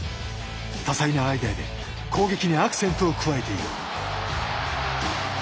多彩なアイデアで攻撃にアクセントを加えている。